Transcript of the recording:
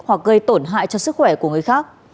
hoặc gây tổn hại cho sức khỏe của người khác